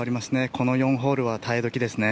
この４ホールは耐え時ですね。